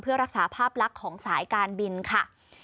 เพื่อรักษาภาพลักษณ์ของสายการบินค่ะ